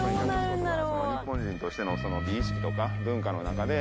日本人としての美意識とか文化の中で。